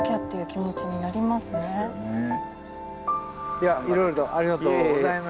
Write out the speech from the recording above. いやいろいろとありがとうございました。